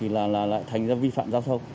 là lại thành ra vi phạm giao thông